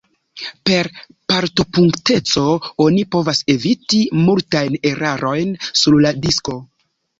Per portopunkteco oni povas eviti multajn erarojn sur la disko.